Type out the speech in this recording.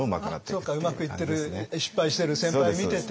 うまくいってる失敗してる先輩を見てて。